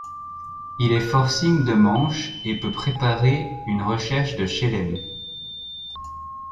Il est forcing de manche et peut préparer une recherche de chelem.